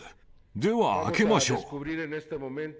では開けましょう。